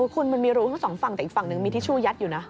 คุณมันมีรูทั้งสองฝั่งแต่อีกฝั่งหนึ่งมีทิชชู่ยัดอยู่นะ